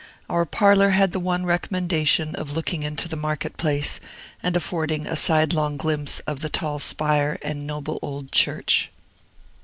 Our parlor had the one recommendation of looking into the market place, and affording a sidelong glimpse of the tall spire and noble old church.